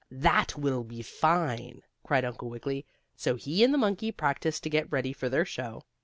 "That will be fine!" cried Uncle Wiggily. So he and the monkey practiced to get ready for their show.